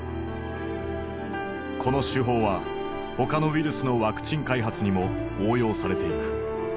この手法は他のウイルスのワクチン開発にも応用されていく。